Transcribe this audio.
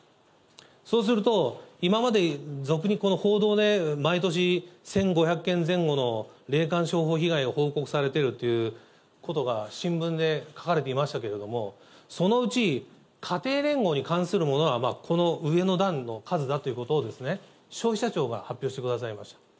そうすると、今までぞくにこの報道で毎年１５００件前後の霊感商法被害を報告されてるということが新聞で書かれていましたけれども、そのうち家庭連合に関するものはこの上の段の数だということを、消費者庁が発表してくださいました。